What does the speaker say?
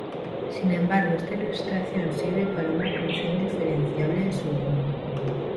Sin embargo esta ilustración sirve para una función diferenciable en su dominio.